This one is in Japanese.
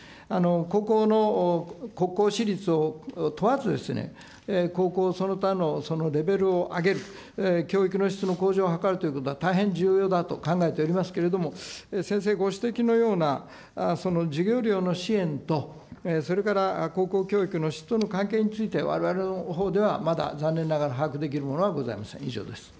高校の国公私立を問わずですね、高校その他のそのレベルを上げる、教育の質の向上を図るということは大変重要だと考えておりますけれども、先生ご指摘のようなその授業料の支援と、それから高校教育の質との関係について、われわれのほうではまだ残念ながら把握できるものはございません。